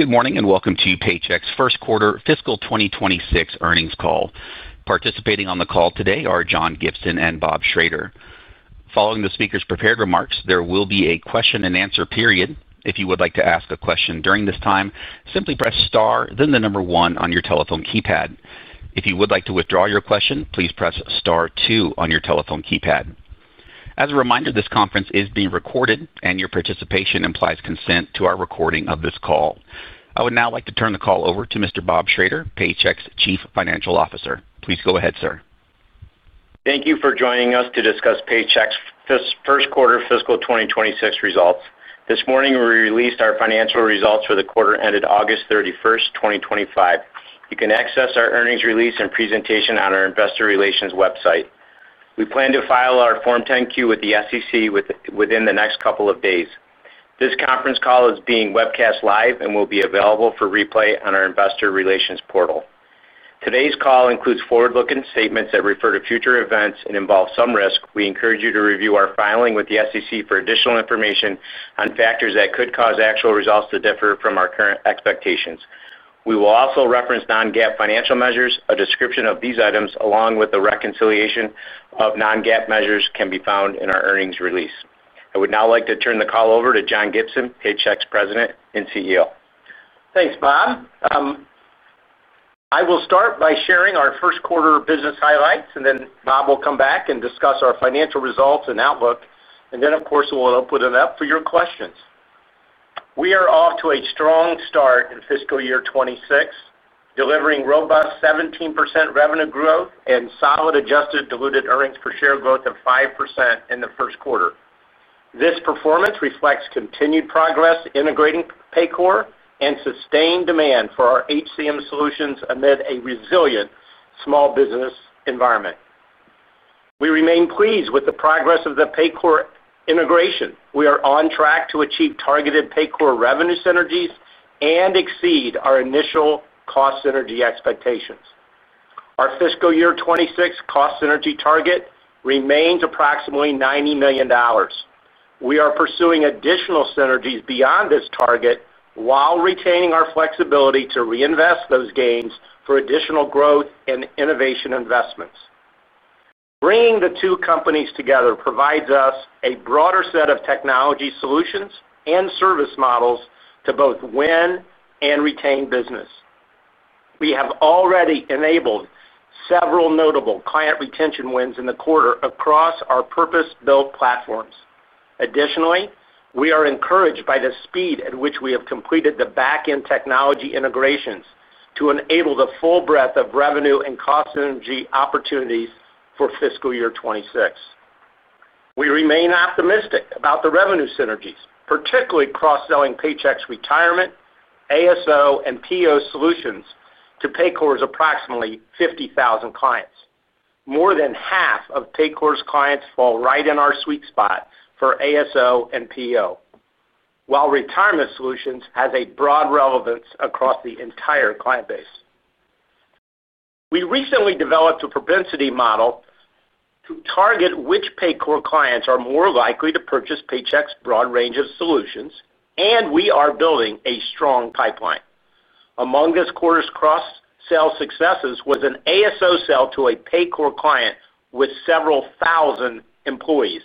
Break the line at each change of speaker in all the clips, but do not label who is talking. Good morning and welcome to Paychex's First Quarter Fiscal 2026 Earnings Call. Participating on the call today are John Gibson and Bob Schrader. Following the speaker's prepared remarks, there will be a question and answer period. If you would like to ask a question during this time, simply press star then the number one on your telephone keypad. If you would like to withdraw your question, please press star two on your telephone keypad. As a reminder, this conference is being recorded and your participation implies consent to our recording of this call. I would now like to turn the call over to Mr. Bob Schrader, Paychex's Chief Financial Officer. Please go ahead sir.
Thank you for joining us to discuss Paychex's first quarter fiscal 2026 results. This morning we released our financial results for the quarter ended August 31, 2025. You can access our earnings release and presentation on our investor relations website. We plan to file our Form 10-Q with the SEC within the next couple of days. This conference call is being webcast live and will be available for replay on our investor relations portal. Today's call includes forward-looking statements that refer to future events and involve some risk. We encourage you to review our filing with the SEC for additional information on factors that could cause actual results to differ from our current expectations. We will also reference non-GAAP financial measures. A description of these items, along with a reconciliation of non-GAAP measures, can be found in our earnings release. I would now like to turn the call over to John Gibson, Paychex President and CEO.
Thanks, Bob. I will start by sharing our first quarter business highlights, and then Bob will come back and discuss our financial results and outlook. Of course, we'll open it up for your questions. We are off to a strong start in fiscal year 2026, delivering robust 17% revenue growth and solid adjusted diluted EPS growth of 5% in the first quarter. This performance reflects continued progress integrating Paycor and sustained demand for our HCM solutions amid a resilient small business environment. We remain pleased with the progress of the Paycor integration. We are on track to achieve targeted Paycor revenue synergies and exceed our initial cost synergy expectations. Our fiscal year 2026 cost synergy target remains approximately $90 million. We are pursuing additional synergies beyond this target while retaining our flexibility to reinvest those gains for additional growth and innovation investments. Bringing the two companies together provides us a broader set of technology solutions and service models to both win and retain business. We have already enabled several notable client retention wins in the quarter across our purpose-built platforms. Additionally, we are encouraged by the speed at which we have completed the back-end technology integrations to enable the full breadth of revenue and cost synergy opportunities for fiscal year 2026. We remain optimistic about the revenue synergies, particularly cross-selling Paychex retirement, ASO, and PEO solutions to Paycor's approximately 50,000 clients. More than half of Paycor's clients fall right in our sweet spot for ASO and PEO. While Retirement Solutions has a broad relevance across the entire client base. We recently developed a propensity model to target which Paycor clients are more likely to purchase Paychex's broad range of solutions, and we are building a strong pipeline. Among this quarter's cross-sell successes was an ASO sale to a Paycor client with several thousand employees,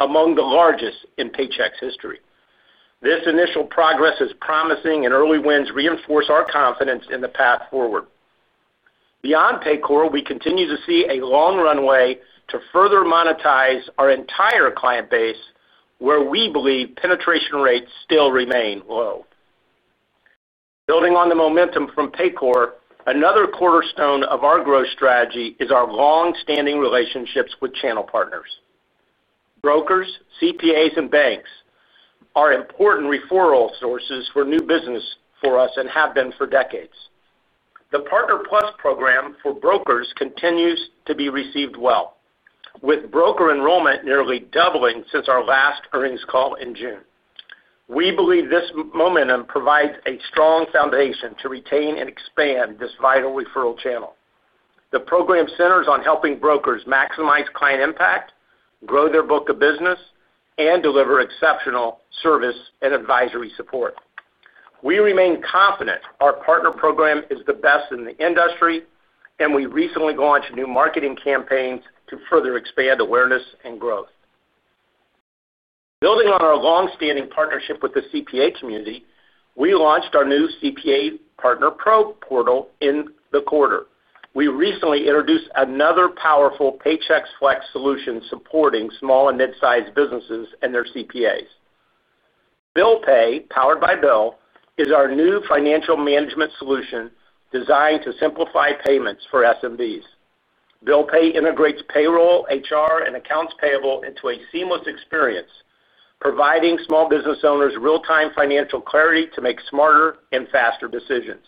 among the largest in Paychex's history. This initial progress is promising, and early wins reinforce our confidence in the path forward. Beyond Paycor, we continue to see a long runway to further monetize our entire client base, where we believe penetration rates still remain low. Building on the momentum from Paycor, another cornerstone of our growth strategy is our long-standing relationships with channel partners. Brokers, CPAs and banks are important referral sources for new business for us and have been for decades. The Partner Plus program for brokers continues to be received well, with broker enrollment nearly doubling since our last earnings call in June. We believe this momentum provides a strong foundation to retain and expand this vital referral channel. The program centers on helping brokers maximize client impact, grow their book of business, and deliver exceptional service and advisory support. We remain confident our partner program is the best in the industry, and we recently launched new marketing campaigns to further expand awareness and growth. Building on our longstanding partnership with the CPA community, we launched our new CPA Partner Pro portal in the quarter. We recently introduced another powerful Paychex Flex solution supporting small and mid-sized businesses and their CPAs. Bill Pay Powered by BILL is our new financial management solution designed to simplify payments for SMBs. Bill Pay integrates payroll, HR, and accounts payable into a seamless experience, providing small business owners real-time financial clarity to make smarter and faster decisions.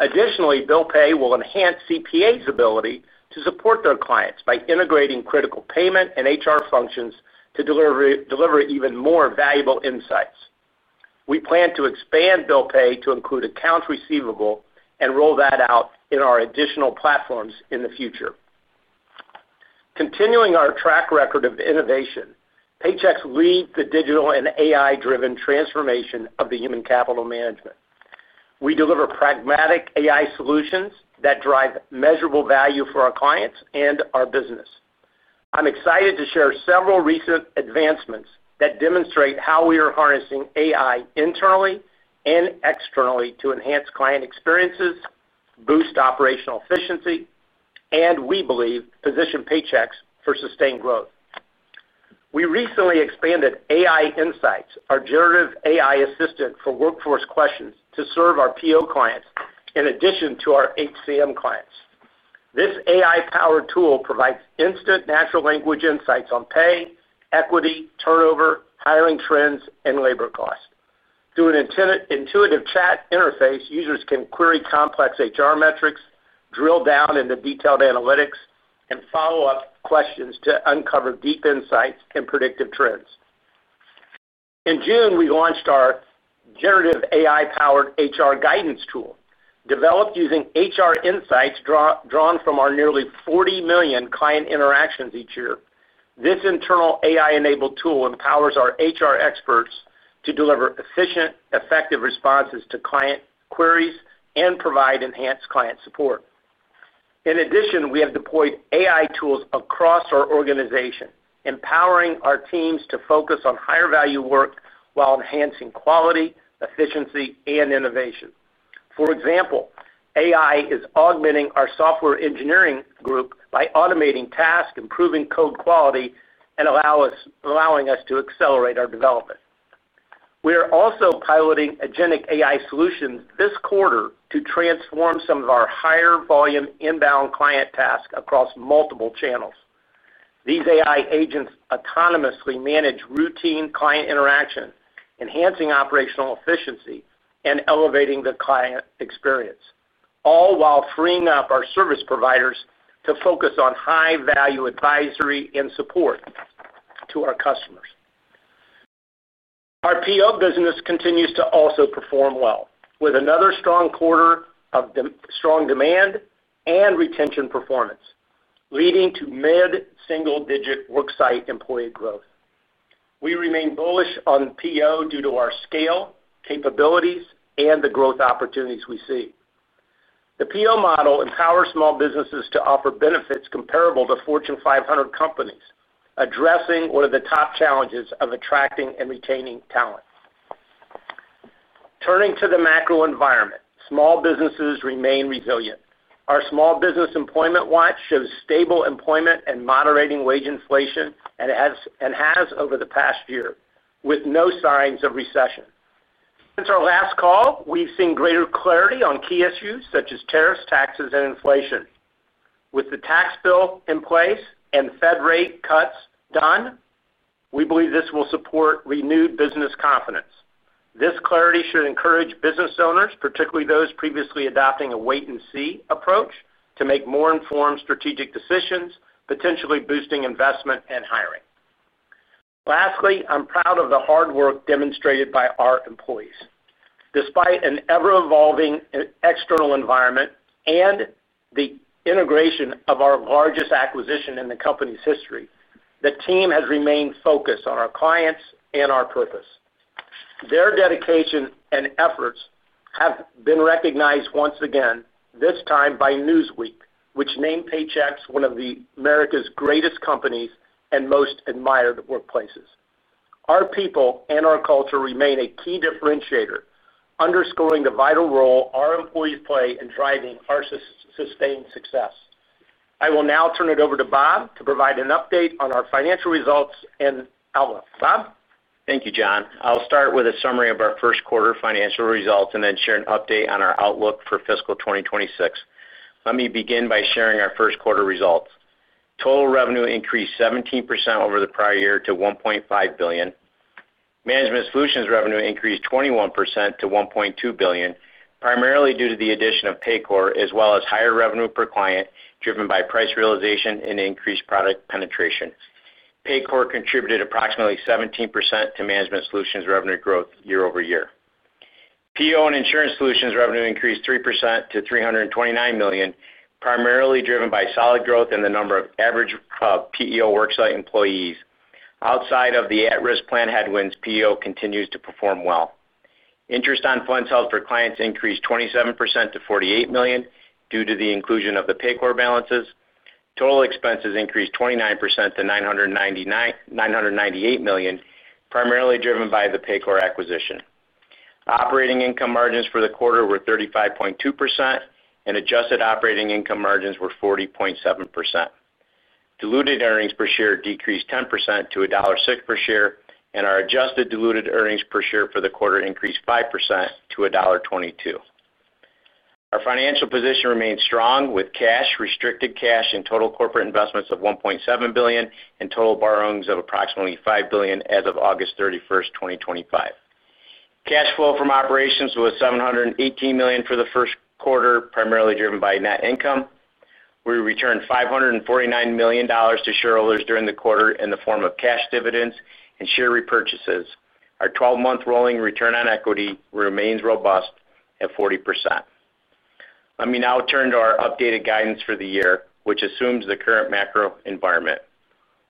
Additionally, Bill Pay will enhance CPAs' ability to support their clients by integrating critical payment and HR functions to deliver even more valuable insights. We plan to expand Bill Pay to include accounts receivable and roll that out in our additional platforms in the future. Continuing our track record of innovation, Paychex lead the digital and AI-driven transformation of human capital management. We deliver pragmatic AI solutions that drive measurable value for our clients and our business. I'm excited to share several recent advancements that demonstrate how we are harnessing AI internally and externally to enhance client experiences, boost operational efficiency, and we believe, position Paychex for sustained growth. We recently expanded AI Insights, our generative AI assistant for workforce questions, to serve our PEO clients in addition to our HCM clients. This AI-powered tool provides instant natural language insights on pay equity, turnover, hiring trends, and labor costs. Through an intuitive chat interface, users can query complex HR metrics, drill down into detailed analytics, and follow up questions to uncover deep insights and predictive trends. In June, we launched our generative AI powered HR guidance tool developed using HR insights drawn from our nearly 40 million client interactions each year. This internal AI-enabled tool empowers our HR experts to deliver efficient, effective responses to client queries and provide enhanced client support. In addition, we have deployed AI tools across our organization, empowering our teams to focus on higher value work while enhancing quality, efficiency, and innovation. For example, AI is augmenting our software engineering group by automating tasks, improving code quality, and allowing us to accelerate our development. We are also piloting agentic AI solution this quarter to transform some of our higher volume inbound client tasks across multiple channels. These AI agents autonomously manage routine client interaction, enhancing operational efficiency and elevating the client experience, all while freeing up our service providers to focus on high value advisory and support to our customers. Our PEO business continues to also perform well with another strong quarter of strong demand and retention performance leading to mid single digit worksite employee growth. We remain bullish on PEO due to our scale, capabilities, and the growth opportunities we see. The PEO model empowers small businesses to offer benefits comparable to Fortune 500 companies, addressing one of the top challenges of attracting and retaining talent. Turning to the macro environment, small businesses remain resilient. Our Small Business Employment Watch shows stable employment and moderating wage inflation and has over the past year with no signs of recession. Since our last call, we've seen greater clarity on key issues such as tariffs, taxes, and inflation. With the tax bill in place and Fed rate cuts done, we believe this will support renewed business confidence. This clarity should encourage business owners, particularly those previously adopting a wait and see approach, to make more informed strategic decisions, potentially boosting investment and hiring. Lastly, I'm proud of the hard work demonstrated by our employees. Despite an ever-evolving external environment and the integration of our largest acquisition in the company's history, the team has remained focused on our clients and our purpose. Their dedication and efforts have been recognized once again, this time by Newsweek, which named Paychex one of America's greatest companies and most admired workplaces. Our people and our culture remain a key differentiator, underscoring the vital role our employees play in driving our sustained success. I will now turn it over to Bob to provide an update on our financial results and outlook. Bob.
Thank you, John. I'll start with a summary of our first quarter financial results and then share an update on our outlook for fiscal 2026. Let me begin by sharing our first quarter results. Total revenue increased 17% over the prior year to $1.5 billion. Management Solutions revenue increased 21% to $1.2 billion, primarily due to the addition of Paycor as well as higher revenue per client driven by price realization and increased product penetration. Paycor contributed approximately 17% to Management Solutions revenue growth year over year. PEO and Insurance Solutions revenue increased 3% to $329 million, primarily driven by solid growth in the number of average PEO worksite employees. Outside of the at-risk plan headwinds, PEO continues to perform well. Interest on funds held for clients increased 27% to $48 million due to the inclusion of the Paycor balances. Total expenses increased 29% to $998 million, primarily driven by the Paycor acquisition. Operating income margins for the quarter were 35.2%, and adjusted operating income margins were 40.7%. Diluted earnings per share decreased 10% to $1.06 per share, and our adjusted diluted earnings per share for the quarter increased 5% to $1.22. Our financial position remains strong with cash, restricted cash, and total corporate investments of $1.7 billion and total borrowings of approximately $5 billion as of August 31, 2025. Cash flow from operations was $718 million for the first quarter, primarily driven by net income. We returned $549 million to shareholders during the quarter in the form of cash dividends and share repurchases. Our 12-month rolling return on equity remains robust at 40%. Let me now turn to our updated guidance for the year, which assumes the current macro environment.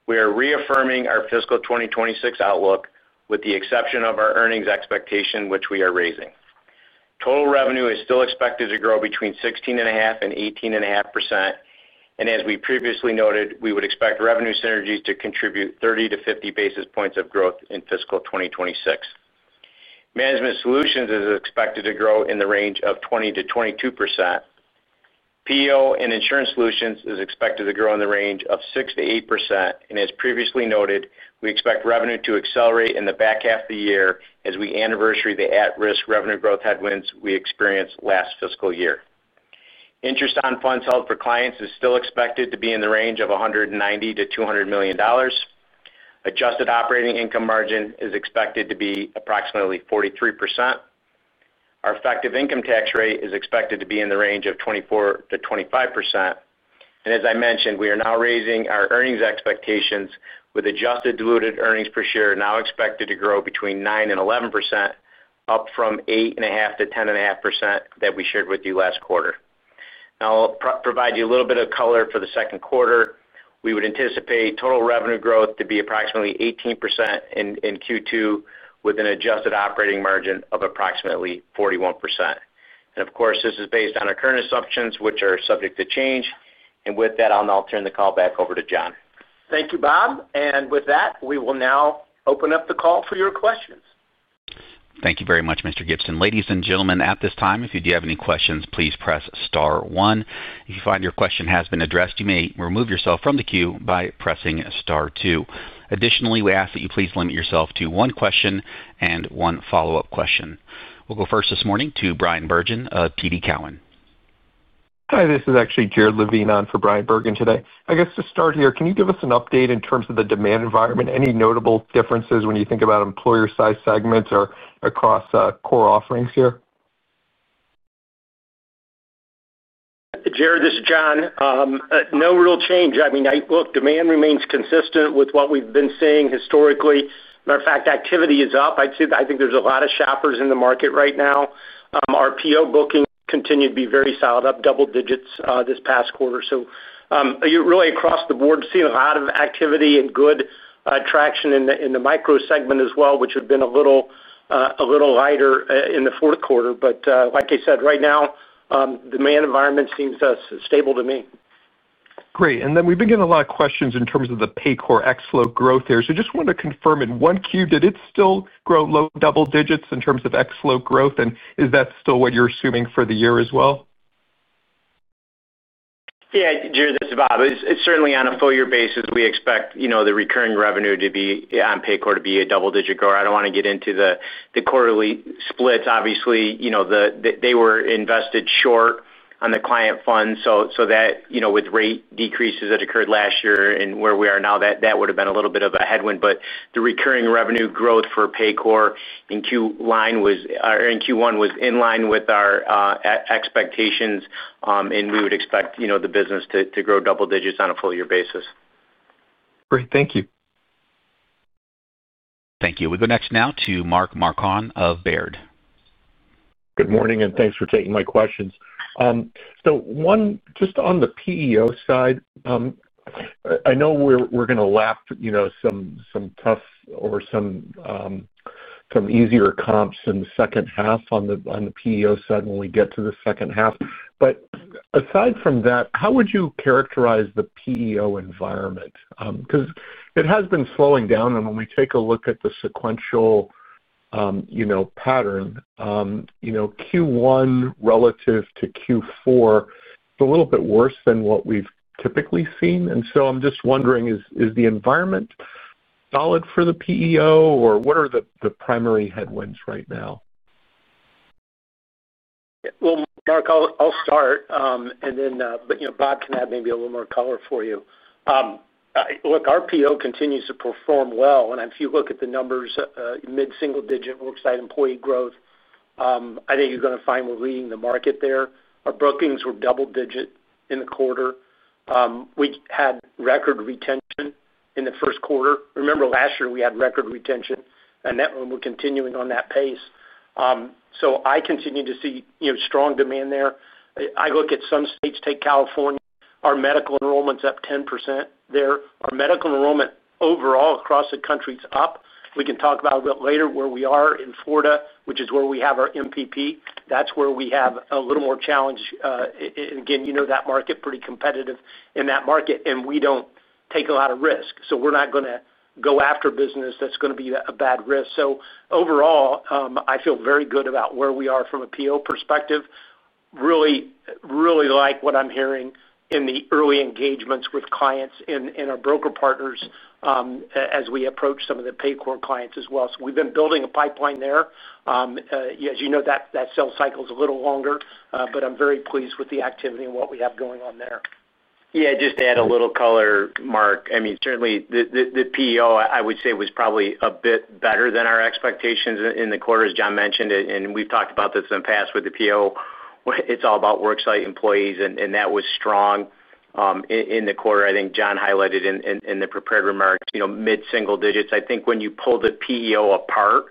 We are reaffirming our fiscal 2026 outlook, with the exception of our earnings expectation, which we are raising. Total revenue is still expected to grow between 16.5% and 18.5%, and as we previously noted, we would expect revenue synergies to contribute 30 to 50 basis points of growth in fiscal 2026. Management Solutions is expected to grow in the range of 20%-22%. PEO and Insurance Solutions is expected to grow in the range of 6%-8%. As previously noted, we expect revenue to accelerate in the back half of the year as we anniversary the at-risk revenue growth headwinds we experienced last fiscal year. Interest on funds held for clients is still expected to be in the range of $190 million-$200 million. Adjusted operating income margin is expected to be approximately 43%. Our effective income tax rate is expected to be in the range of 24% to 25%. As I mentioned, we are now raising our earnings expectations with adjusted diluted EPS now expected to grow between 9% and 11%, up from 8.5% to 10.5% that we shared with you last quarter. I'll provide you a little bit of color for the second quarter. We would anticipate total revenue growth to be approximately 18% in Q2 with an adjusted operating margin of approximately 41%. This is based on our current assumptions, which are subject to change. With that, I'll now turn the call back over to John.
Thank you, Bob. With that, we will now open up the call for your questions.
Thank you very much, Mr. Gibson. Ladies and gentlemen, at this time if you do have any questions, please press Star 1. If you find your question has been addressed, you may remove yourself from the queue by pressing Star 2. Additionally, we ask that you please limit yourself to one question and one follow-up question. We'll go first this morning to Bryan Bergin of TD Cowen.
Hi, this is actually Jared Levine on for Bryan Bergin today. I guess to start here, can you give us an update in terms of the demand environment? Any notable differences when you think about employer size segments or across core offerings here?
Jared, this is John. No real change. I mean, look, demand remains consistent with what we've been seeing historically. Matter of fact, activity is up, I'd say. I think there's a lot of shoppers in the market right now. RPO booking continued to be very solid, up double digits this past quarter. You really across the board are seeing a lot of activity and good traction in the micro segment as well, which had been a little lighter in the fourth quarter. Like I said, right now demand environment seems stable to me.
Great. We've been getting a lot of questions in terms of the Paycor exflo growth here. Just wanted to confirm in 1Q did it still grow low double digits in terms of exflo growth? Is that still what you're assuming for the year as well?
Yeah, Jared this is Bob. Certainly, on a full year basis, we expect the recurring revenue to be, on Paycor, to be a double-digit grower. I don't want to get into the quarterly splits. Obviously, they were invested short on the client fund, so with rate decreases that occurred last year and where we are now, that would have been a little bit of a headwind. The recurring revenue growth for Paycor in Q1 was in line with our expectations, and we would expect the business to grow double digits on a full year basis.
Great. Thank you.
Thank you. We go next now to Mark Marcon of Baird.
Good morning and thanks for taking my questions. Just on the PEO side, I know we're going to lap some tough or some easier comps in the second half on the PEO as we get to the second half. Aside from that, how would you characterize the PEO environment? It has been slowing down. When we take a look at the sequential pattern, Q1 relative to Q4, it's a little bit worse than what we've typically seen. I'm just wondering, is the environment solid for the PEO or what are the primary headwinds right now?
Mark, I'll start, and Bob can add maybe a little more color for you. Look, our PEO continues to perform well, and if you look at the numbers, mid single digit worksite employee growth, I think you're going to find we're leading the market there. Our bookings were double digit in the quarter. We had record retention in the first quarter. Remember last year we had record retention, and we're continuing on that pace. I continue to see strong demand there. I look at some states. Take California, our medical enrollment's up 10% there. Our medical enrollment overall across the country is up. We can talk about a bit later where we are in Florida, which is where we have our MPP. That's where we have a little more challenge again, you know, that market, pretty competitive in that market, and we don't take a lot of risk. We're not going to go after business that's going to be a bad risk. Overall, I feel very good about where we are from a PEO perspective. Really, really like what I'm hearing in the early engagements with clients and our broker partners as we approach some of the Paycor clients as well. We've been building a pipeline there. As you know, that sales cycle is a little longer, but I'm very pleased with the activity and what we have going on there.
Yeah, just to add a little color, Mark, I mean, certainly the PEO, I would say was probably a bit better than our expectations in the quarter. As John mentioned, and we've talked about this in the past with the PEO, it's all about worksite employees. That was strong in the quarter. I think John highlighted in the prepared remarks, mid single digits. I think when you pull the PEO apart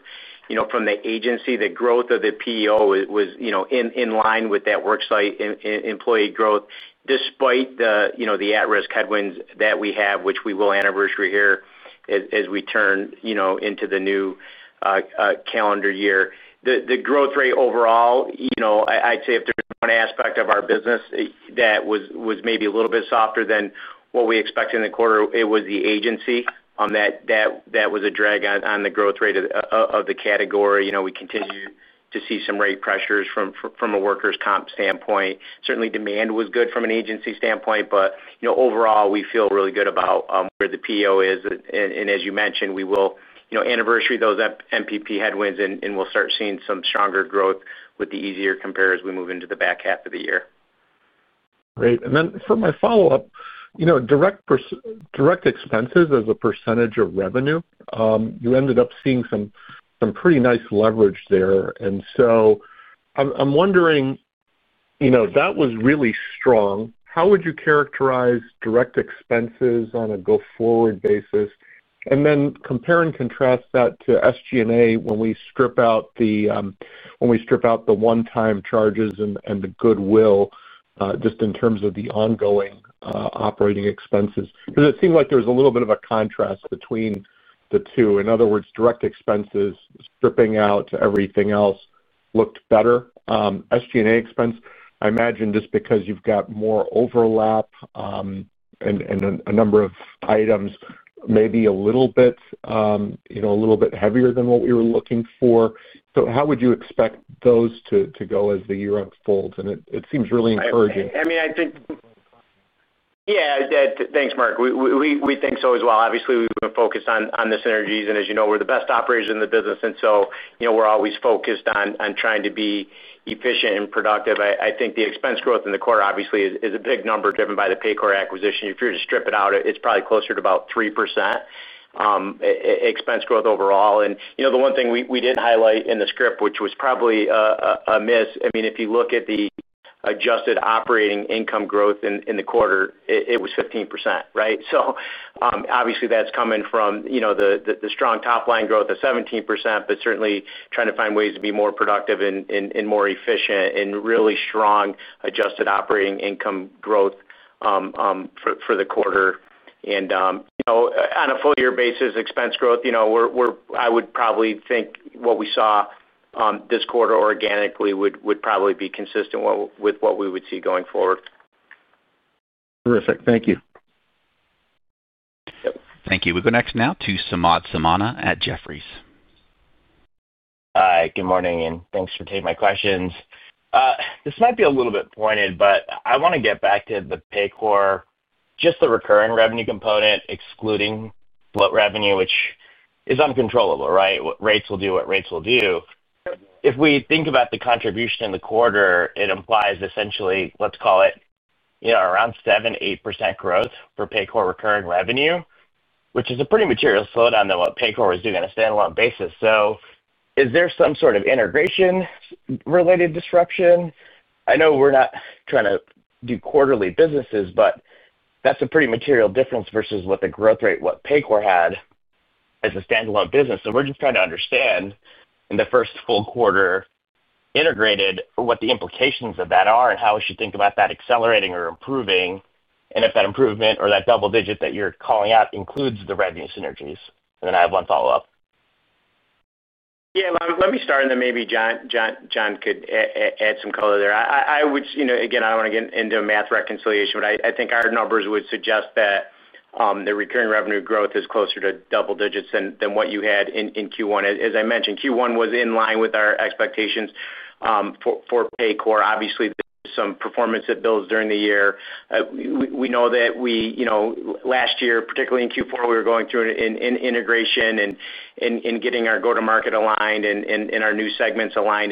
from the agency, the growth of the PEO was in line with that worksite employee growth, despite the at-risk headwinds that we have, which we will anniversary here as we turn into the new calendar year. The growth rate overall, I'd say if there's one aspect of our business that was maybe a little bit softer than what we expected in the quarter, it was the agency that was a drag on the growth rate of the category. We continue to see some rate pressures from a workers' comp standpoint. Certainly demand was good from an agency standpoint. Overall, we feel really good about where the PEO is. As you mentioned, we will anniversary those MPP headwinds and we'll start seeing some stronger growth with the easier compare as we move into the back half of the year.
Great. For my follow up, you know, direct expenses as a percentage of revenue, you ended up seeing some pretty nice leverage there. I'm wondering, you know, that was really strong. How would you characterize direct expenses on a go forward basis and then compare and contrast that to SG&A when we strip out the one time charges and the goodwill just in terms of the ongoing operating expenses because it seemed like there was a little bit of a contrast between the two. In other words, direct expenses stripping out everything else looked better. SG&A expense, I imagine this is because you've got more overlap and a number of items maybe a little bit, you know, a little bit heavier than what we were looking for. How would you expect those to go as the year unfolds? It seems really encouraging.
Yeah, thanks, Mark. We think so as well. Obviously we've been focused on the synergies and as you know, we're the best operators in the business. We're always focused on trying to be efficient, productive. I think the expense growth in the quarter obviously is a big number driven by the Paycor acquisition. If you were to strip it out, it's probably closer to about 3% expense growth overall. The one thing we did highlight in the script, which was probably a miss. If you look at the adjusted operating income growth in the quarter, it was 15%. Obviously that's coming from the strong top line growth at 17% but certainly trying to find ways to be more productive and more efficient and really strong adjusted operating income growth for the quarter. On a full year basis, expense growth, I would probably think what we saw this quarter organically would probably be consistent with what we would see going forward.
Terrific. Thank you.
Thank you. We go next now to Samad Samana at Jefferies LLC.
Hi, good morning and thanks for taking my questions. This might be a little bit pointed, but I want to get back to the Paycor, just the recurring revenue component, excluding float revenue, which is uncontrollable. Right. Rates will do what rates will do. If we think about the contribution in the quarter, it implies essentially, let's call it around 7%-8% growth for Paycor recurring revenue, which is a pretty material slowdown than what Paycor is doing on a standalone basis. Is there some sort of integration related disruption? I know we're not trying to do quarterly businesses, but that's a pretty material difference versus what the growth rate what Paycor had as a standalone business. We're just trying to understand in the first full quarter integrated, what the implications of that are and how we should think about that accelerating or improving. If that improvement or that double digit that you're calling out includes the revenue synergies. I have one follow up.
Let me start. Maybe John could add some color there. I don't want to get into a math reconciliation, but I think our numbers would suggest that the recurring revenue growth is closer to double digits than what you had in Q1. As I mentioned, Q1 was in line with our expectations for Paycor. Obviously, some performance builds during the year. Last year, particularly in Q4, we were going through integration and getting our go-to-market aligned and our new segments aligned.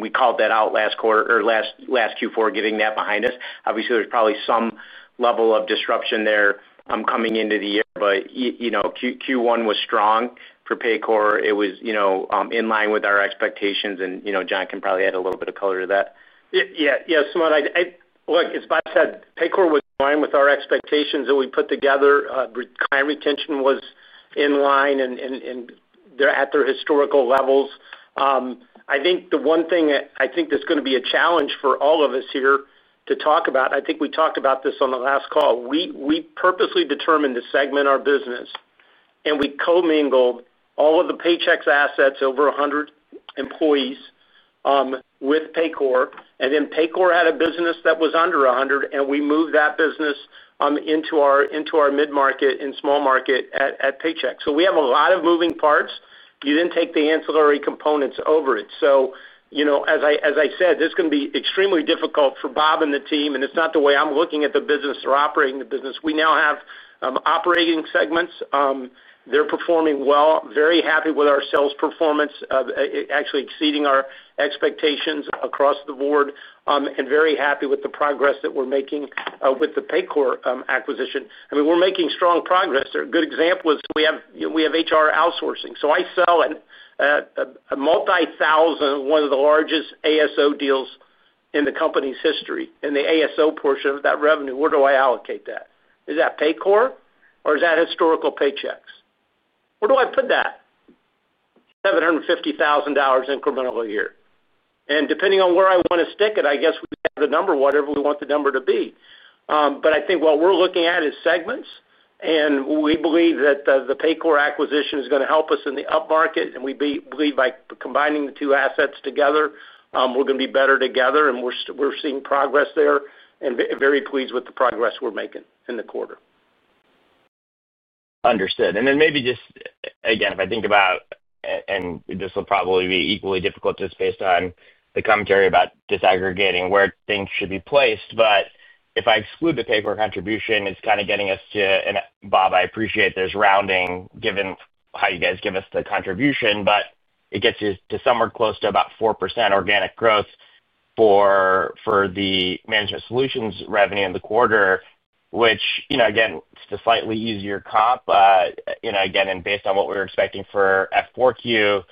We called that out last quarter, or last Q4, getting that behind us. Obviously, there's probably some level of disruption there coming into the year, but Q1 was strong for Paycor. It was in line with our expectations, and John can probably add a little bit of color to that.
Look, as Bob said, Paycor was in line with our expectations that we put together. High retention was in line and they're at their historical levels. I think the one thing I think that's going to be a challenge for all of us here to talk about. I think we talked about this on the last call. We purposely determined to segment our business and we co-mingled all of the Paychex assets, over 100 employees, with Paycor and then Paycor had a business that was under 100 and we moved that business into our mid-market and small market at Paychex. We have a lot of moving parts. You didn't take the ancillary components over it. As I said, this can be extremely difficult for Bob and the team and it's not the way I'm looking at the business or operating the business. We now have operating segments, they're performing well. Very happy with our sales performance, actually exceeding our expectations across the board, and very happy with the progress that we're making with the Paycor acquisition. We're making strong progress there. A good example is we have HR outsourcing. I sell a multi-thousand, one of the largest ASO deals in the company's history in the ASO portion of that revenue. Where do I allocate that? Is that Paycor or is that historical Paychex? Where do I put that $750,000 incremental a year? Depending on where I want to stick it, I guess we have the number, whatever we want the number to be. What we're looking at is segments and we believe that the Paycor acquisition is going to help us in the upmarket and we believe by combining the two assets together, we're going to be better together. We're seeing progress there and very pleased with the progress we're making in the quarter.
Understood. If I think about, and this will probably be equally difficult just based on the commentary about disaggregating where things should be placed, if I exclude the paper contribution, it's kind of getting us to Bob. I appreciate this rounding given how you guys give us the contribution, but it gets you to somewhere close to about 4% organic growth for the Management Solutions revenue in the quarter, which again the slightly easier comp again based on what we were expecting for F4Q,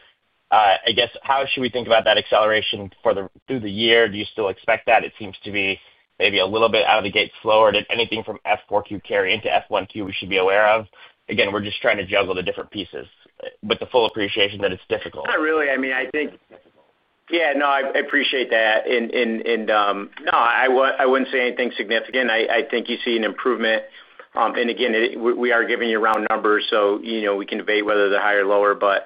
how should we think about that acceleration through the year? Do you still expect that? It seems to be maybe a little bit out of the gate slower than anything from F4Q carry into F1Q we should be aware of. Again, we're just trying to juggle the different pieces with the full appreciation that it's difficult.
Not really. I think. Yeah, no, I appreciate that and no, I wouldn't say anything significant. I think you see an improvement, and again, we are giving you round numbers, so we can debate whether they're higher or lower.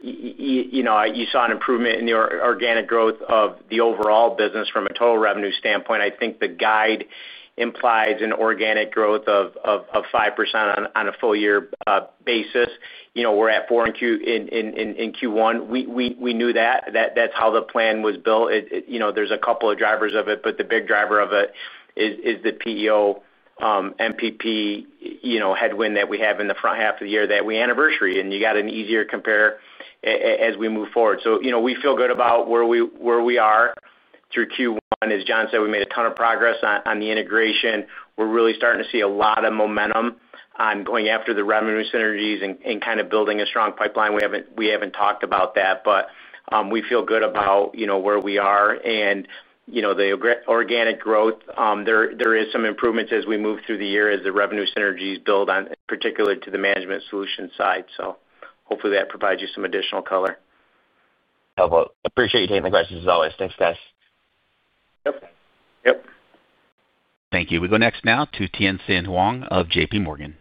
You saw an improvement in the organic growth of the overall business from a total revenue standpoint. I think the guide implies an organic growth of 5% on a full year basis. We're at 4% in Q1. We knew that, that's how the plan was built. There are a couple of drivers of it, but the big driver of it is the PEO MPP headwind that we have in the front half of the year that we anniversary, and you get an easier compare as we move forward. We feel good about where we are through Q1. As John said, we made a ton of progress on the integration. We're really starting to see a lot of momentum on going after the revenue synergies and kind of building a strong pipeline. We haven't talked about that, but we feel good about where we are and the organic growth there are some improvements as we move through the year as the revenue synergies build on, particularly to the Management Solutions side. Hopefully that provides you some additional color.
Appreciate you taking the questions as always. Thanks, guys.
Thank you. We go next now to Tien-Tsin Huang of JPMorgan.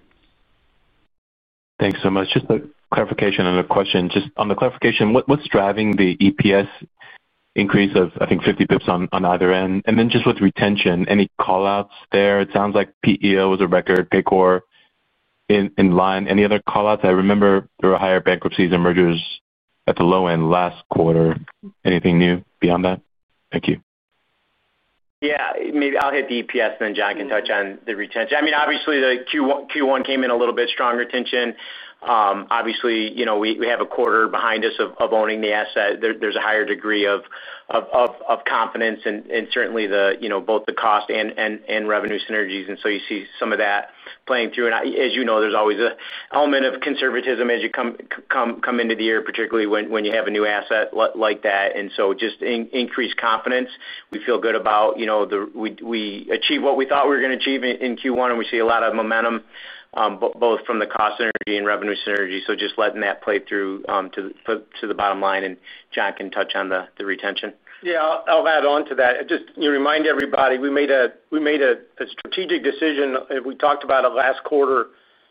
Thanks so much. Just a clarification and a question. Just on the clarification, what's driving the EPS increase of I think 50 bps on either end, and then just with retention, any call outs there? It sounds like PEO was a record, Paycor in line. Any other call outs? I remember there were higher bankruptcies and mergers at the low end last quarter. Anything new beyond that? Thank you.
Yeah, maybe I'll hit the EPS, then John can touch on the retention. Obviously, the Q1 came in a little bit strong retention. Obviously, we have a quarter behind us of owning the asset. There's a higher degree of confidence and certainly both the cost and revenue synergies, and you see some of that playing through. As you know, there's always an element of conservatism as you come into the year, particularly when you have a new asset like that, and just increased confidence. We feel good about, you know, we achieved what we thought we were going to achieve in Q1, and we see a lot of momentum both from the cost synergy and revenue synergy, just letting that play through to the bottom line. John can touch on the retention.
Yeah, I'll add on to that. Just remind everybody we made a strategic decision, we talked about it last quarter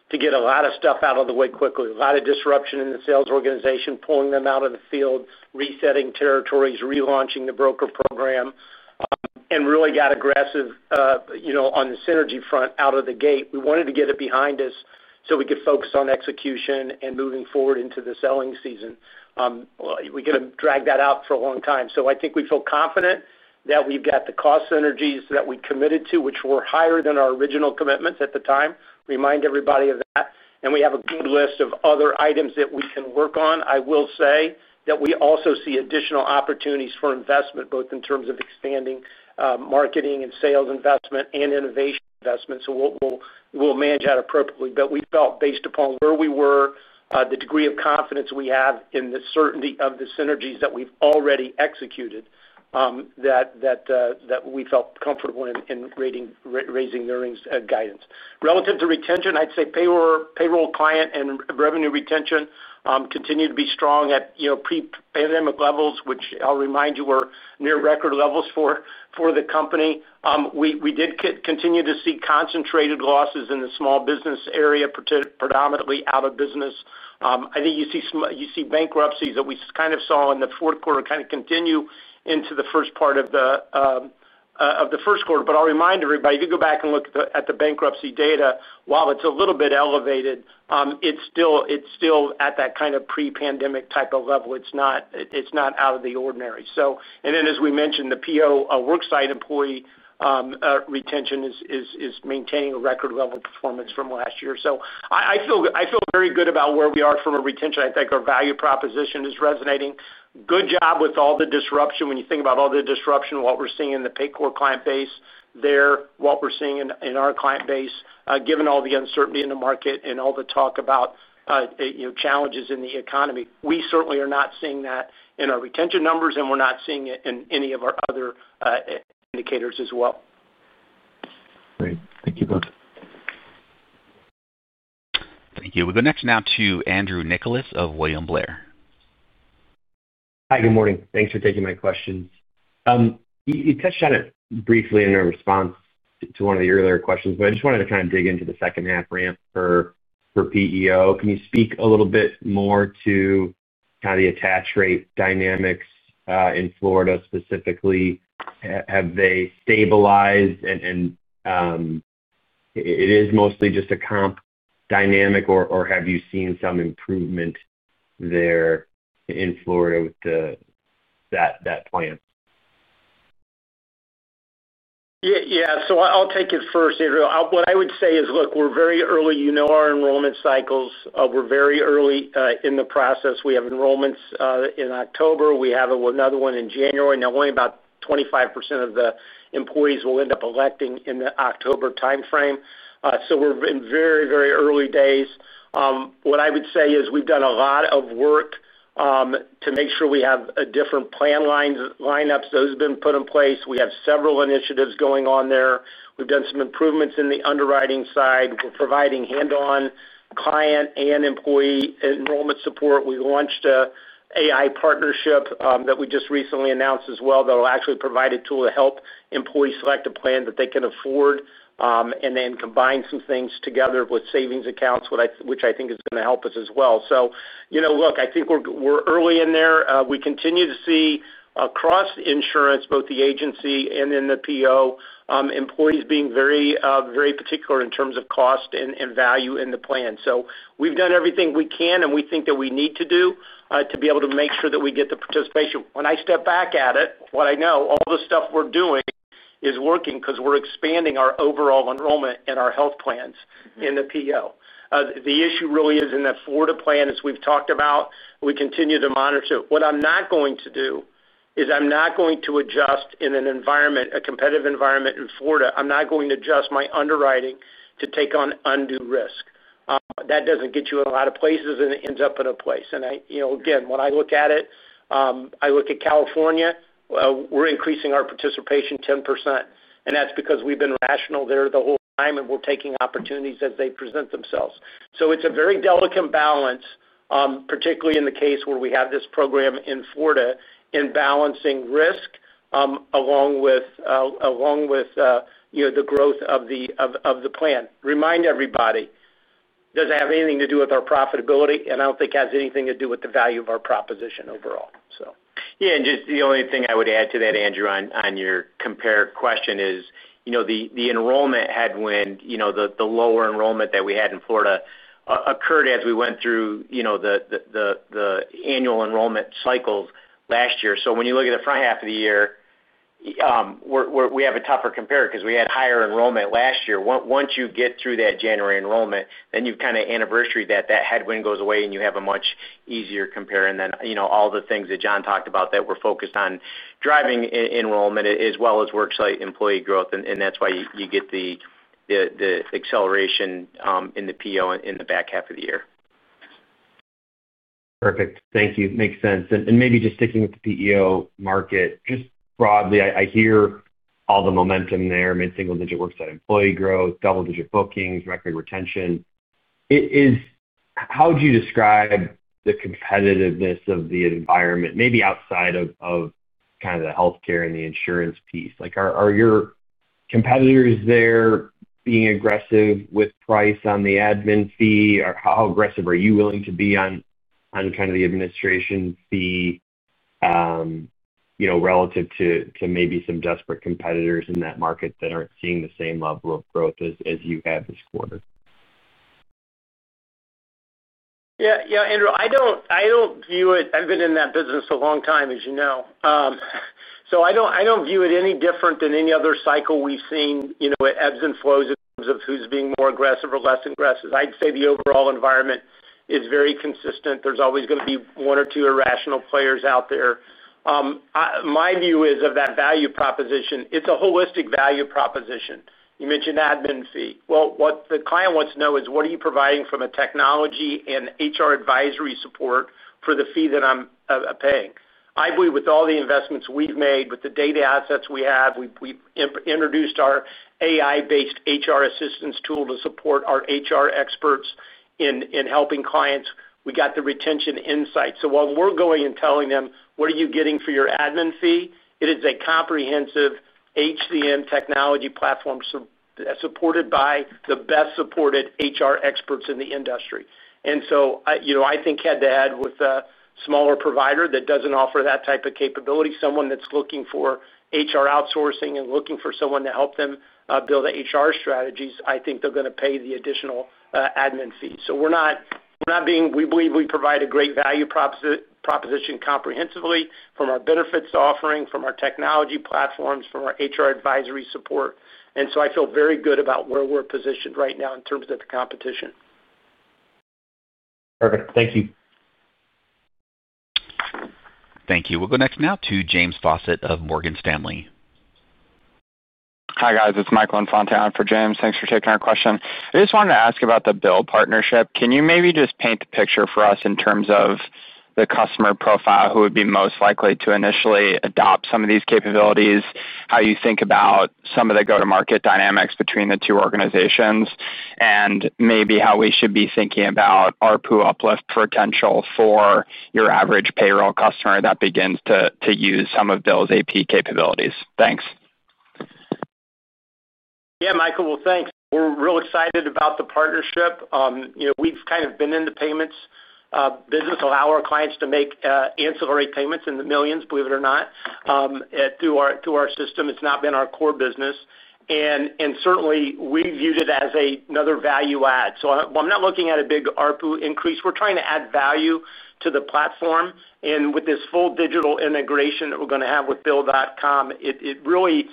to get a lot of stuff out of the way quickly. A lot of disruption in the sales organization, pulling them out of the field, resetting territories, relaunching the broker program, and really got aggressive, you know, on the synergy front, out of the gate. We wanted to get it behind us so we could focus on execution and moving forward into the selling season. We did not want to drag that out for a long time. I think we feel confident that we've got the cost synergies that we committed to, which were higher than our original commitments at the time. Remind everybody of that, and we have a list of other items that we can work on. I will say that we also see additional opportunities for investment, both in terms of expanding marketing and sales investment and innovation investment. We'll manage that appropriately. We felt, based upon where we were, the degree of confidence we have in the certainty of the synergies that we've already executed, that we felt comfortable in raising earnings guidance. Relative to retention, I'd say payroll, client, and revenue retention continue to be strong at pre-pandemic levels, which I'll remind you were near record levels for the company. We did continue to see concentrated losses in the small business area, predominantly out of business. I think you see bankruptcies that we kind of saw in the fourth quarter continue into the first part of the first quarter. I'll remind everybody, if you go back and look at the bankruptcy data, while it's a little bit elevated, it's still at that kind of pre-pandemic type of level. It's not out of the ordinary. As we mentioned, the PEO worksite employee retention is maintaining a record level performance from last year. I feel very good about where we are from a retention standpoint. I think our value proposition is resonating. Good job with all the disruption. When you think about all the disruption, what we're seeing in the Paycor client base, what we're seeing in our client base, given all the uncertainty in the market and all the talk about challenges in the economy, we certainly are not seeing that in our retention numbers and we're not seeing it in any of our other indicators as well.
Great. Thank you both.
Thank you. We'll go next now to Andrew Nicholas of William Blair.
Hi, good morning. Thanks for taking my question. You touched on it briefly in a response to one of the earlier questions, but I just wanted to dig into the second half ramp for PEO. Can you speak a little bit more to the attach rate dynamics in Florida specifically, have they stabilized? It is mostly just a comp dynamic, or have you seen some improvement there in Florida with that plan?
Yeah, so I'll take it. First, Andrew, what I would say is, look, we're very early, you know, our enrollment cycles, we're very early in the process. We have enrollments in October, we have another one in January. Now only about 25% of the employees will end up electing in the October time frame. We're in very, very early days. What I would say is we've done a lot of work to make sure we have different plan lineups. Those have been put in place. We have several initiatives going on there. We've done some improvements in the underwriting side. We're providing hands-on client and employee enrollment support. We launched an AI partnership that we just recently announced as well that will actually provide a tool to help employees select a plan that they can afford and then combine some things together with savings accounts, which I think is going to help us as well. I think we're early in there. We continue to see across insurance, both the agency and in the PEO, employees being very, very particular in terms of cost and value in the plan. We've done everything we can and we think that we need to do to be able to make sure that we get the participation. When I step back at it, what I know is all the stuff we're doing is working because we're expanding our overall enrollment and our health plans in the PEO. The issue really is in that Florida plan as we've talked about, we continue to monitor. What I'm not going to do is I'm not going to adjust in a competitive environment in Florida. I'm not going to adjust my underwriting to take on undue risk. That doesn't get you in a lot of places and it ends up in a place. Again, when I look at it, I look at California, we're increasing our participation 10% and that's because we've been rational there the whole time and we're taking opportunities as they present themselves. It's a very delicate balance, particularly in the case where we have this program in Florida in balancing risk along with the growth of the plan. Remind everybody, does it have anything to do with our profitability? I don't think it has anything to do with the value of our proposition overall.
Yeah. The only thing I would add to that, Andrew, on your compare question is, you know, the enrollment headwind, the lower enrollment that we had in Florida occurred as we went through the annual enrollment cycles last year. When you look at the front half of the year, we have a tougher comparison because we had higher enrollment last year. Once you get through that January enrollment, you kind of anniversary that, that headwind goes away, and you have a much easier compare. All the things that John talked about that we're focused on are driving enrollment as well as worksite employee growth. That's why you get the acceleration in the PEO in the back half of the year.
Perfect, thank you. Makes sense. Maybe just sticking with the PEO market broadly, I hear all the momentum there. Mid single-digit worksite employee growth, double-digit bookings, record retention. How would you describe the competitiveness of the environment? Maybe outside of the health care and the insurance piece, are your competitors there being aggressive with price on the admin fee? How aggressive are you willing to be on the administration fee relative to maybe some desperate competitors in that market that aren't seeing the same level of growth as you have this quarter?
Yeah, Andrew, I don't view it, I've been in that business a long time, as you know, so I don't view it any different than any other cycle we've seen with ebbs and flows. Who's being more aggressive or less aggressive? I'd say the overall environment is very consistent. There's always going to be one or two irrational players out there. My view is of that value proposition. It's a holistic value proposition. You mentioned admin fee. What the client wants to know is what are you providing from a technology and HR advisory support for the fee that I'm paying. I believe with all the investments we've made with the data assets we have, we introduced our AI-based HR assistance tool to support our HR experts in helping clients. We got the retention insights. While we're going and telling them what are you getting for your admin fee, it is a comprehensive HCM technology platform supported by the best supported HR experts in the industry. I think head to head with a smaller provider that doesn't offer that type of capability, someone that's looking for HR outsourcing and looking for someone to help them build HR strategies, I think they're going to pay the additional admin fees. We believe we provide a great value proposition comprehensively from our benefits offering, from our technology platforms, from our HR advisory support. I feel very good about where we're positioned right now in terms of the competition.
Perfect. Thank you.
Thank you. We'll go next now to James Faucette of Morgan Stanley.
Hi guys, it's Michael Infante on for James. Thanks for taking our question. I just wanted to ask about the Bill.com partnership. Can you maybe just paint the picture for us in terms of the customer profile who would be most likely to initially adopt some of these capabilities, how you think about some of the go to market dynamics between the two organizations, and maybe how we should be thinking about ARPU uplift potential for your average payroll customer that begins to use some of those AP capabilities. Thanks.
Michael, thanks. We're real excited about the partnership. We've kind of been in the payments business, allow our clients to make ancillary payments in the millions, believe it or not, through our system. It's not been our core business, and certainly we viewed it as another value add. I'm not looking at a big ARPU increase. We're trying to add value to the platform, and with this full digital integration that we're going to have with Bill.com, it really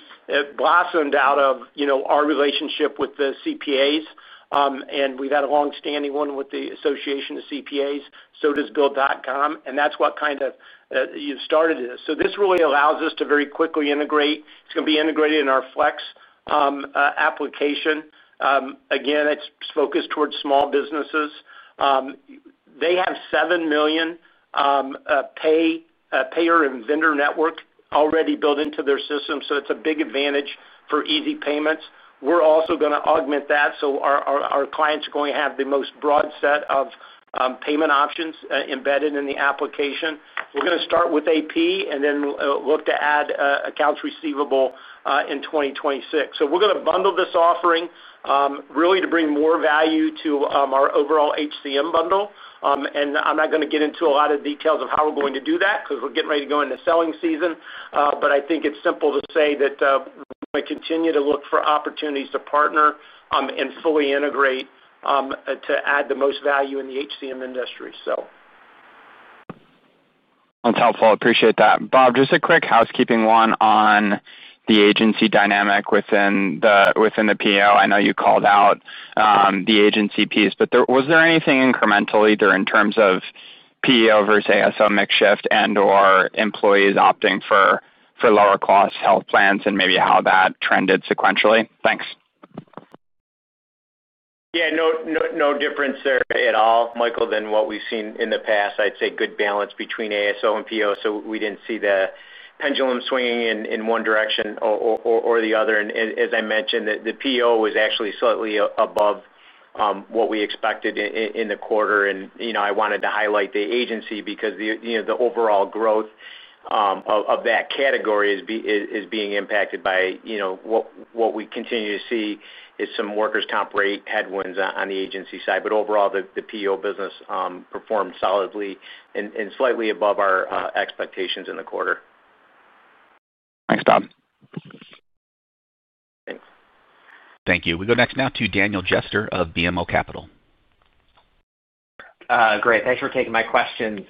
blossomed out of our relationship with the CPAs, and we've had a long-standing one with the association of CPAs. Bill.com has as well, and that's what kind of started this. This really allows us to very quickly integrate. It's going to be integrated in our Flex application. Again, it's focused towards small businesses. They have a 7 million payer and vendor network already built into their system, so it's a big advantage for easy payments. We're also going to augment that, so our clients are going to have the most broad set of payment options embedded in the application. We're going to start with AP and then look to add accounts receivable in 2026. We're going to bundle this offering really to bring more value to our overall HCM bundle. I'm not going to get into a lot of details of how we're going to do that because we're getting ready to go into selling season. I think it's simple to say that we continue to look for opportunities to partner and fully integrate to add the most value in the HCM industry.
That's helpful. Appreciate that. Bob, just a quick housekeeping one on the agency dynamic within the PEO. I know you called out the agency piece, but was there anything incremental either in terms of PEO versus ASO mix shift, and or employees opting for lower cost health plans, and maybe how that trended sequentially. Thanks.
Yeah, no difference there at all, Michael, than what we've seen in the past. I'd say good balance between ASO and PEO. We didn't see the pendulum swinging in one direction or the other. As I mentioned, the PEO was actually slightly above what we expected in the quarter. I wanted to highlight the agency because the overall growth of that category is being impacted by what we continue to see is some workers' comp headwinds on the agency side. Overall, the PEO business performed solidly and slightly above our expectations in the quarter.
Thanks Todd.
Thank you. We go next now to Daniel Jester of BMO Capital.
Great. Thanks for taking my questions.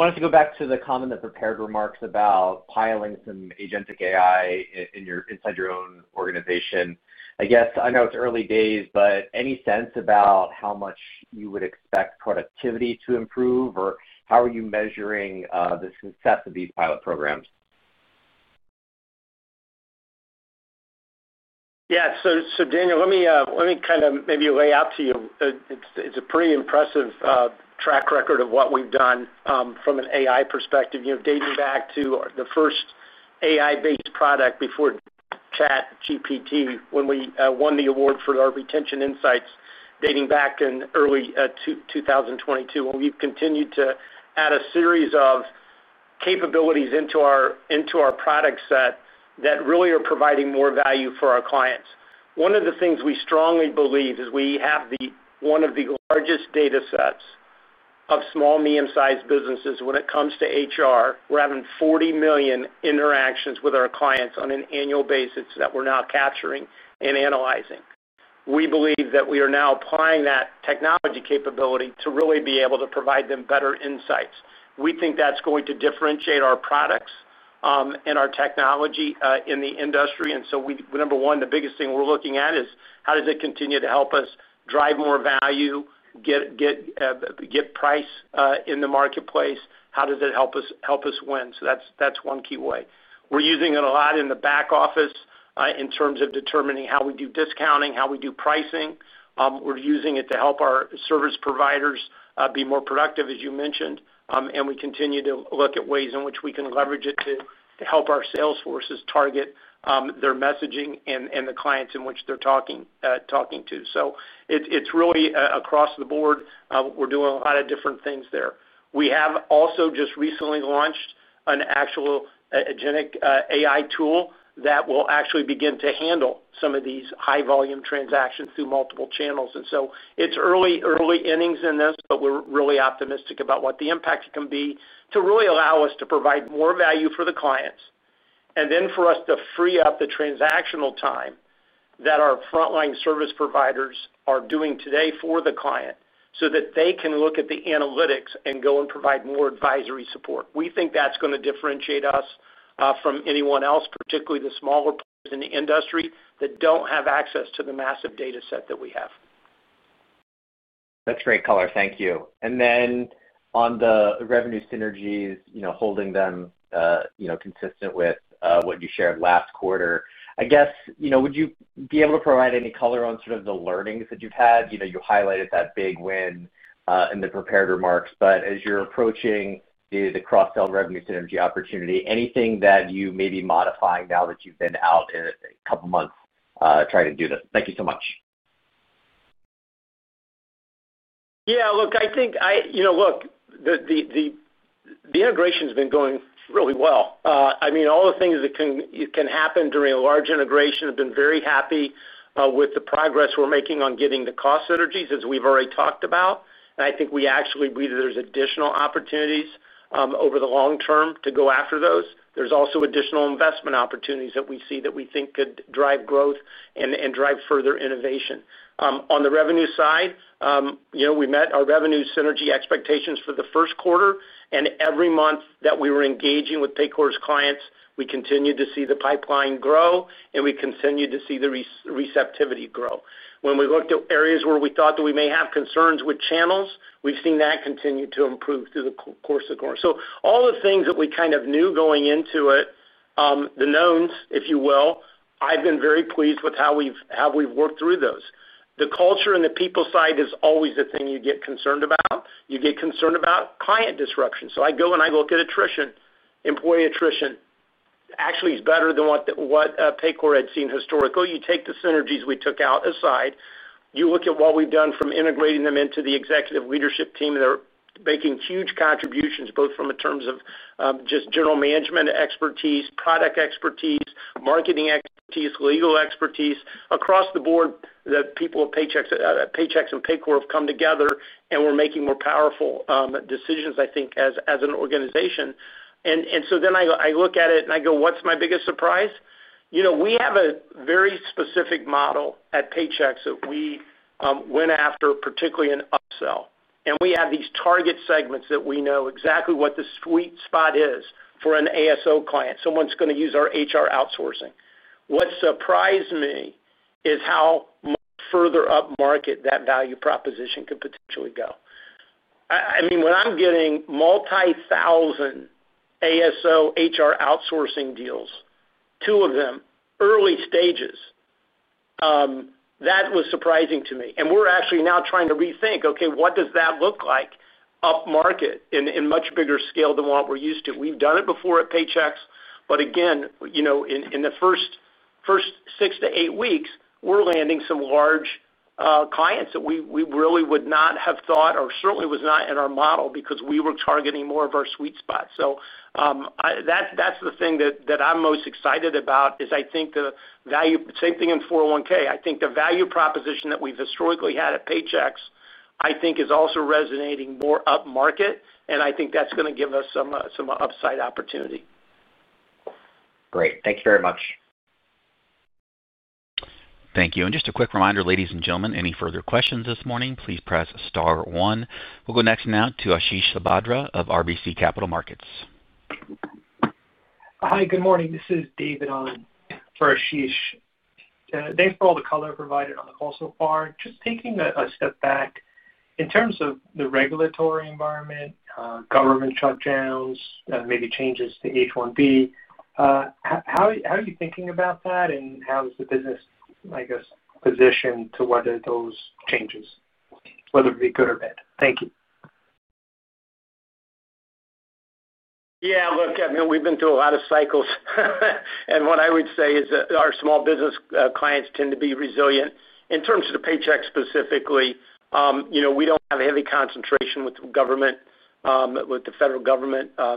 Wanted to go back to the comment. That prepared remarks about piling some agentic AI inside your own organization. I guess I know it's early days, but any sense about how much you would expect productivity to improve, or how are you measuring the success of these pilot programs?
Yeah. So Daniel, let me kind of maybe lay out to you. It's a pretty impressive track record of what we've done from an AI perspective dating back to the first AI-based product before ChatGPT when we won the award for our retention insights dating back in early 2022. We've continued to add a series of capabilities into our product set that really are providing more value for our clients. One of the things we strongly believe is we have one of the largest data sets of small and medium-sized businesses when it comes to HR. We're having 40 million interactions with our clients on an annual basis that we're now capturing and analyzing. We believe that we are now applying that technology capability to really be able to provide them better insights. We think that's going to differentiate our products and our technology in the industry. Number one, the biggest thing we're looking at is how does it continue to help us drive more value, get price in the marketplace? How does it help us win? That's one key way. We're using it a lot in the back office in terms of determining how we do discounting, how we do pricing. We're using it to help our service providers be more productive, as you mentioned. We continue to look at ways in which we can leverage it to help our sales forces target their messaging and the clients in which they're talking to. It's really across the board. We're doing a lot of different things there. We have also just recently launched an actual agentic AI tool that will actually begin to handle some of these high volume transactions through multiple channels. It's early, early innings in this, but we're really optimistic about what the impact can be to really allow us to provide more value for the clients and then for us to free up the transactional time that our frontline service providers are doing today for the client so that they can look at the analytics and go and provide more advisory support. We think that's going to differentiate us from anyone else, particularly the smaller partners in the industry that don't have access to the massive data set that we have.
That's great color. Thank you. On the revenue synergies, holding them consistent with what you shared last quarter, I guess, you know. Would you be able to provide any color on sort of the learnings that you've had? You highlighted that big win in the prepared remarks. As you're approaching the cross sell revenue synergy opportunity, anything that you may be modifying now that you've been out a couple months trying to do that. Thank you so much.
Yeah, look, I think the integration has been going really well. I mean, all the things that can happen during a large integration, I have been very happy with the progress we're making on getting the cost synergies as we've already talked about. I think we actually believe there's additional opportunities over the long term to go after those. There's also additional investment opportunities that we see that we think could drive growth and drive further innovation. On the revenue side, we met our revenue synergy expectations for the first quarter, and every month that we were engaging with Paycor's clients, we continued to see the pipeline grow and we continued to see the receptivity grow. When we looked at areas where we thought that we may have concerns with channels, we've seen that continue to improve through the course of the quarter. All the things that we kind of knew going into it, the knowns, if you will, I have been very pleased with how we've worked through those. The culture and the people side is always the thing you get concerned about, you get concerned about client disruption. I go and I look at attrition, employee attrition actually is better than what Paycor had seen historically. You take the synergies we took out aside, you look at what we've done from integrating them into the executive leadership team, they're making huge contributions both in terms of just general management expertise, product expertise, marketing expertise, legal expertise across the board. The people at Paychex and Paycor have come together and we're making more powerful decisions, I think, as an organization. Then I look at it and I go, what's my biggest surprise? We have a very specific model at Paychex that we went after, particularly in upsell. We have these target segments that we know exactly what the sweet spot is for an ASO client, someone who's going to use our HR outsourcing. What surprised me is how further upmarket that value proposition could potentially go. I mean, when I'm getting multi-thousand ASO HR outsourcing deals, two of them early stages, that was surprising to me. We're actually now trying to rethink, okay, what does that look like upmarket in much bigger scale than what we're used to. We've done it before at Paychex, but again, in the first six to eight weeks, we're landing some large clients that we really would not have thought or certainly was not in our model because we were targeting more of our sweet spot. That's the thing that I'm most excited about. I think the value, same thing in 401(k), I think the value proposition that we've historically had at Paychex I think is also resonating more upmarket, and I think that's going to give us some upside opportunity.
Great. Thank you very much.
Thank you. A quick reminder, ladies and gentlemen, any further questions this morning, please press star one. We'll go next now to Ashish Sabadra of RBC Capital Markets. Hi, good morning, this is David on for Ashish. Thanks for all the color provided on the call so far. Just taking a step back in terms of the regulatory environment, government shutdowns, maybe changes to H1B. How are you thinking about that and how is the business, I guess, positioned to weather those changes, whether it be good or bad. Thank you.
Yeah, look, we've been through a lot of cycles and what I would say is our small business clients tend to be resilient in terms of Paychex specifically. You know, we don't have a heavy concentration with government, with the federal government. I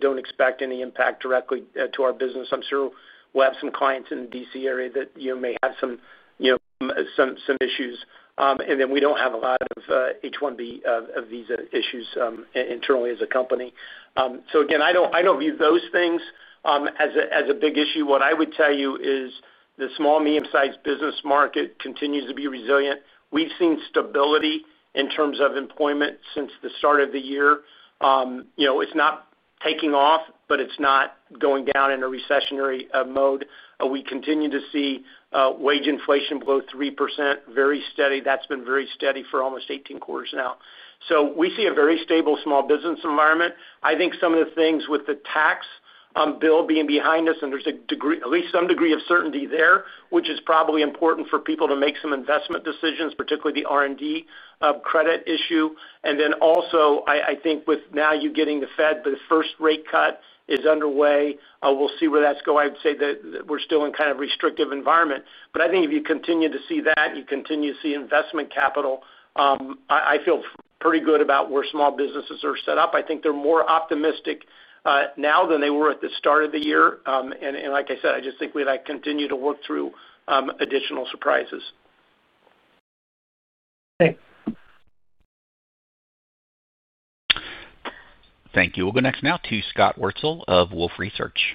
don't expect any impact directly to our business. I'm sure we'll have some clients in the D.C. area that may have some issues and then we don't have a lot of H1B visa issues internally as a company. Again, I don't view those things as a big issue. What I would tell you is the small and medium-sized business market continues to be resilient. We've seen stability in terms of employment since the start of the year. It's not taking off, but it's not going down in a recessionary mode. We continue to see wage inflation below 3%, very steady. That's been very steady for almost 18 quarters now. We see a very stable small business environment. I think some of the things with the tax bill being behind us and there's a degree, at least some degree of certainty there, which is probably important for people to make some investment decisions, particularly the R&D credit issue. Also, I think with now you getting the Fed, but first rate cut is underway. We'll see where that's going. I would say that we're still in kind of a restrictive environment, but I think if you continue to see that you continue to see investment capital, I feel pretty good about where small businesses are set up. I think they're more optimistic now than they were at the start of the year. Like I said, I just think we like continue to work through additional surprises.
Thank you. We'll go next now to Scott Wurtzel of Wolfe Research.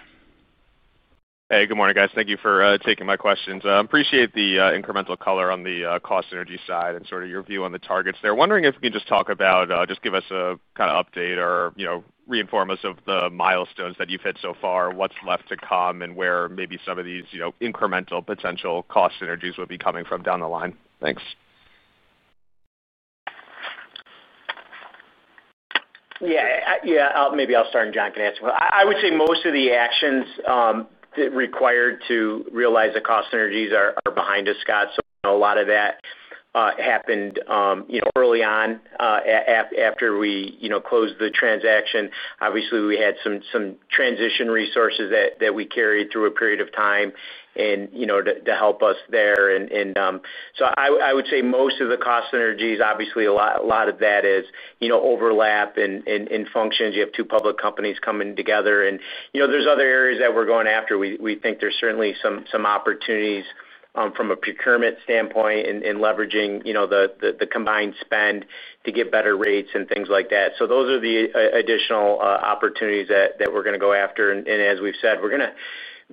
Hey, good morning guys. Thank you for taking my questions. Appreciate the incremental color on the cost synergy side and your view on the targets there. Wondering if you can just talk about, give us a kind of update or reinforce the milestones that you've had so far, what's left to come, and where maybe some of these incremental potential cost synergies would be coming from down the line. Thanks.
Maybe I'll start. John can answer. I would say most of the actions required to realize the cost synergies are behind us, Scott. A lot of that happened early on after we closed the transaction. Obviously, we had some transition resources that we carry through a period of time to help us there. I would say most of the. Cost synergies, obviously a lot of that is overlap in functions. You have two public companies coming together, and there are other areas that we're going after. We think there's certainly some opportunities from a procurement standpoint in leveraging the combined spend to get better rates and things like that. Those are the additional opportunities that we're going to go after. As we've said, we're going to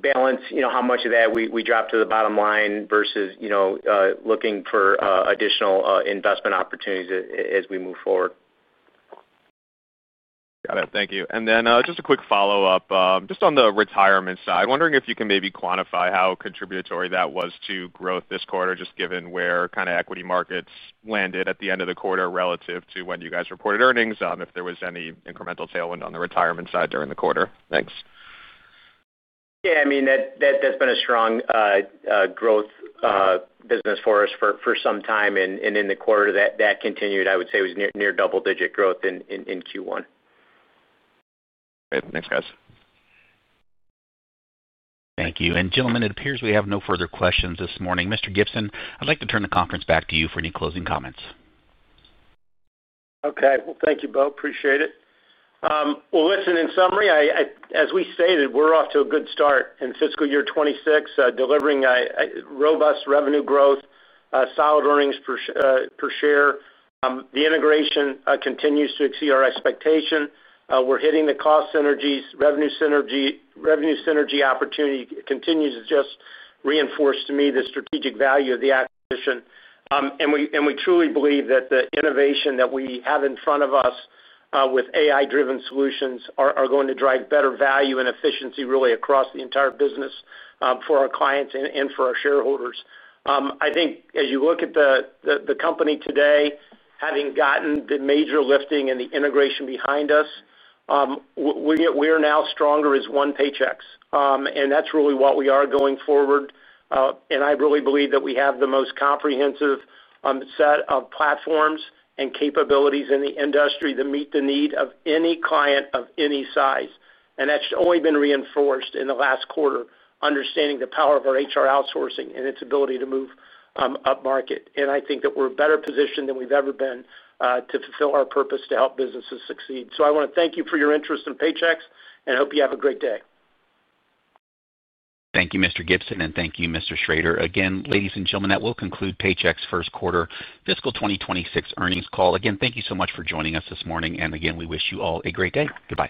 balance how much of that we drop to the bottom line versus looking for additional investment opportunities as we move forward.
Got it. Thank you. Just a quick follow up on the retirement side, wondering if you can maybe quantify how contributory that was to growth this quarter. Just given where kind of equity markets landed at the end of the quarter relative to when you guys reported earnings, if there was any incremental tailwind on the retirement side during the quarter. Thanks.
Yeah, I mean that's been a strong growth business for us for some time. In the quarter that continued, I would say it was near double-digit growth in Q1.
Thanks guys.
Thank you. Gentlemen, it appears we have no further questions this morning. Mr. Gibson, I'd like to turn the conference back to you for any closing comments.
Thank you both, appreciate it. In summary, as we stated, we're off to a good start in fiscal year 2026, delivering robust revenue growth and solid earnings per share. The integration continues to exceed our expectation. We're hitting the cost synergies. Revenue synergy opportunity continues to just reinforce to me the strategic value of the acquisition. We truly believe that the innovation that we have in front of us with AI-driven solutions is going to drive better value and efficiency really across the entire business for our clients and for our shareholders. I think as you look at the company today, having gotten the major lifting and the integration behind us, we are now stronger as one Paychex and that's really what we are going forward. I really believe that we have the most comprehensive set of platforms and capabilities in the industry that meet the need of any client of any size, and that's only been reinforced in the last quarter. Understanding the power of our HR outsourcing and its ability to move up market, I think that we're better positioned than we've ever been to fulfill our purpose to help businesses succeed. I want to thank you for your interest in Paychex and I hope you have a great day.
Thank you, Mr. Gibson, and thank you, Mr. Schrader. Ladies and gentlemen, that will conclude Paychex first quarter fiscal 2026 earnings call. Thank you so much for joining us this morning, and we wish you all a great day. Goodbye.